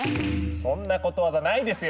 そんなことわざないですよ